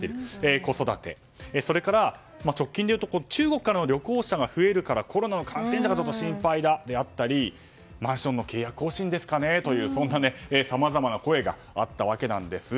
子育て、それから直近でいうと中国からの旅行者が増えるからコロナの感染者が心配であったりマンションの契約更新ですかねというものやその他さまざまな声があったんです。